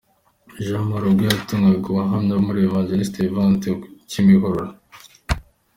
Jean Marie ubwo yatangaga ubuhamya muri Eglise Vivante ku Kimihurura.